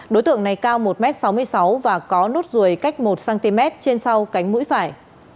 đối tượng này cao một m sáu mươi sáu và có nốt ruồi cách một cm trên sau cánh mũi phải